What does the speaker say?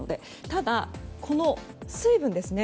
ただ、水分ですね